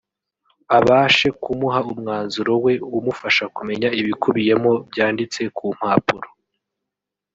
abashe kumuha umwanzuro we umufasha kumenya ibikubiyemo byanditse ku mpapuro